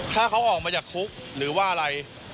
ถ้าเขาออกมาจากคุกหรือว่าอะไร